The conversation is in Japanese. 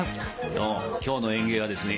どうも今日の演芸はですね